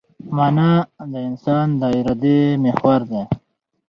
مانا د انسان د ارادې محور دی.